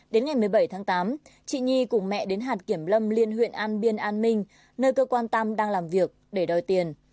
đến ngày một mươi bảy tháng tám chị nhi cùng mẹ đến hạt kiểm lâm liên huyện an biên an minh nơi cơ quan tâm đang làm việc để đòi tiền